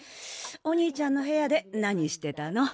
お兄ちゃんのへやで何してたの？